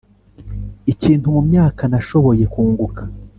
ikintu mumyaka, nashoboye kunguka